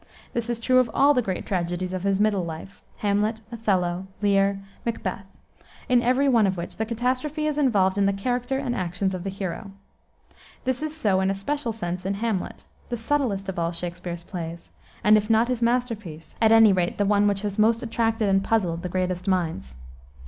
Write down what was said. This is true of all the great tragedies of his middle life, Hamlet, Othello, Lear, Macbeth, in every one of which the catastrophe is involved in the character and actions of the hero. This is so, in a special sense, in Hamlet, the subtlest of all Shakspere's plays, and if not his masterpiece, at any rate the one which has most attracted and puzzled the greatest minds.